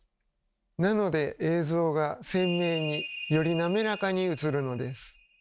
なので映像が鮮明により滑らかに映るのです。